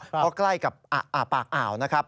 เพราะใกล้กับปากอ่าวนะครับ